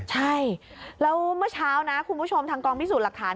ใช่แล้วเมื่อเช้านะคุณผู้ชมทางกองพิสูจน์หลักฐาน